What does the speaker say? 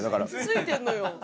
ついてんのよ。